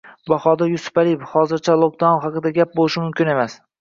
Bahodir Yusupaliyev: Hozircha lokdaun haqida gap bo‘lishi mumkin emas